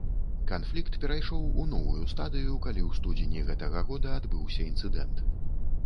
Канфлікт перайшоў у новую стадыю, калі ў студзені гэтага года адбыўся інцыдэнт.